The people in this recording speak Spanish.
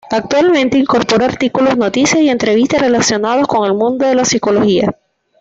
Actualmente, incorpora artículos, noticias y entrevistas relacionados con el mundo de la psicología.